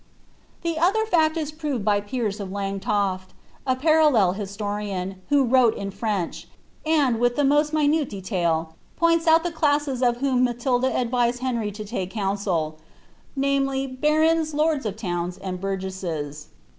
' The other &ct is proved by Piers of Langtof^ a parallel historian, who wrote in French, and, with the most minute detail, points out the classes of whom Matilda advised Henry to take counsel— viz., barons, lonis of towns, and burgesses.